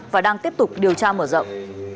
và đang tiếp tục điều tra mở rộng